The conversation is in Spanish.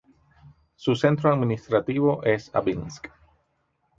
Su centro administrativo es Abinsk.